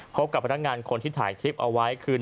พบกับพนักงานคนที่ถ่ายคลิปเอาไว้คือ